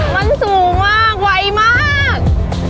มันสูงมากไวมาก